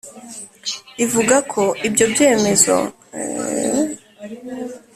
Ivuga ko ibyo bimenyetso bizagenzurwa kurushaho, gusa ko nibyemezwa?